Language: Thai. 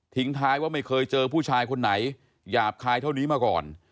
ท้ายว่าไม่เคยเจอผู้ชายคนไหนหยาบคายเท่านี้มาก่อน